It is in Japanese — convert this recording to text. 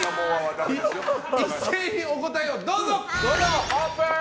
一斉にお答えをどうぞ！